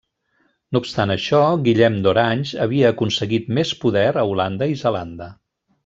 No obstant això, Guillem d'Orange havia aconseguit més poder a Holanda i Zelanda.